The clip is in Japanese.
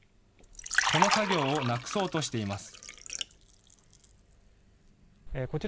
この作業をなくそうとしています。